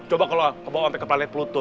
coba kalau kebawa bawanya ke planet pluto